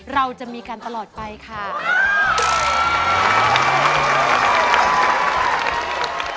เราจะมีกันตลอดไปค่ะ